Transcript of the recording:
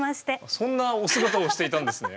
そんなお姿をしていたんですね。